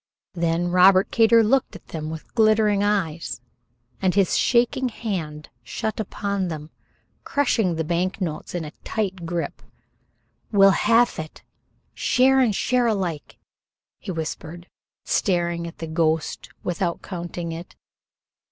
Then Robert Kater looked at them with glittering eyes, and his shaking hand shut upon them, crushing the bank notes in a tight grip. "We'll halve it, share and share alike," he whispered, staring at the ghost without counting it.